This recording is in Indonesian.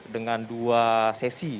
dengan dua sesi